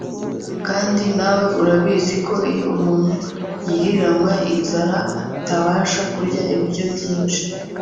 kandi nawe urabizi ko iyo umuntu yiriranywe inzara atabasha kurya ibiryo byinshi